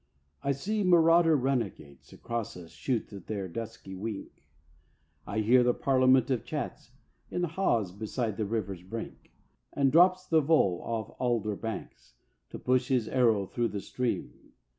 I see marauder runagates Across us shoot their dusky wink; I hear the parliament of chats In haws beside the river's brink; And drops the vole off alder banks, To push his arrow through the stream.